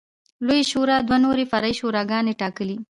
لویې شورا دوه نورې فرعي شوراګانې ټاکلې.